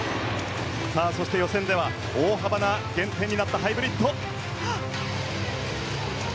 そして予選では大幅な減点になったハイブリッド。